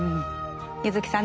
柚木さん